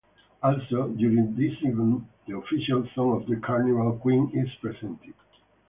Also, during this event, the official song of the carnival queen is presented.